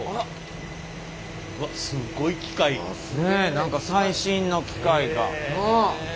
何か最新の機械が。